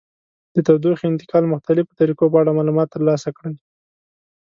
د تودوخې انتقال مختلفو طریقو په اړه معلومات ترلاسه کړئ.